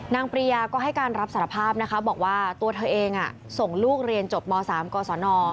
ปริยาก็ให้การรับสารภาพนะคะบอกว่าตัวเธอเองส่งลูกเรียนจบม๓กศน